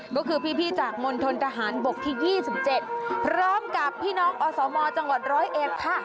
ก็คือพี่จากมณฑนทหารบกที่๒๗พร้อมกับพี่น้องอสมจังหวัด๑๐๑ค่ะ